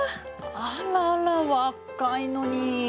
あらら若いのに。